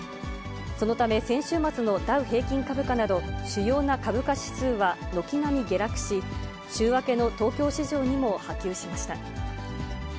そのため先週末のダウ平均株価など主要な株価指数は軒並み下落し、週明けの東京市場にも波及しました。